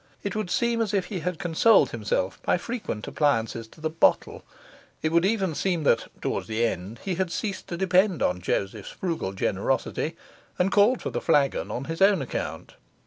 It would seem as if he had consoled himself by frequent appliances to the bottle; it would even seem that (toward the end) he had ceased to depend on Joseph's frugal generosity and called for the flagon on his own account.